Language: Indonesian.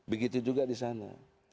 begitu juga di sana